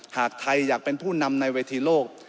หากไทยอยากเป็นผู้นำในเวทีโลก